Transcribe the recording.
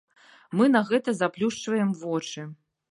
Мы на гэта заплюшчваем вочы.